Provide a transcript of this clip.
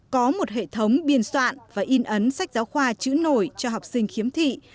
có một hệ thống biên soạn và in ấn sách giáo khoa chữ nổi cho học sinh khiếm thị